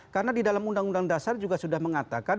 karena di dalam undang undang dasar juga sudah mengatakan